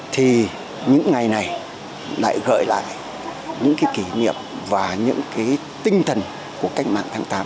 thì những ngày này lại gợi lại những kỷ niệm và những tinh thần của cách mạng tháng tám